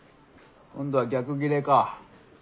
今度は逆ギレか。